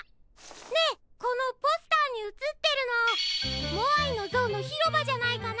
ねえこのポスターにうつってるのモアイのぞうのひろばじゃないかな？